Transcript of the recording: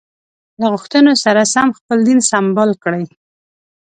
له غوښتنو سره سم خپل دین سمبال کړي.